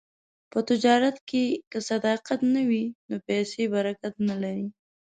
په تجارت کې که صداقت نه وي، نو پیسې برکت نه لري.